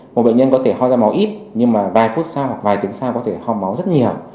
một bệnh nhân có thể ho ra máu ít nhưng mà vài phút sau hoặc vài tiếng sau có thể ho máu rất nhiều